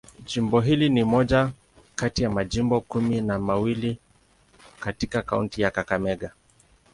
Jimbo hili ni moja kati ya majimbo kumi na mawili katika kaunti ya Kakamega.